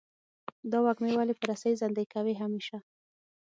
دا وږمې ولې په رسۍ زندۍ کوې همیشه؟